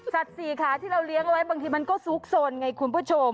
สี่ขาที่เราเลี้ยงไว้บางทีมันก็ซุกสนไงคุณผู้ชม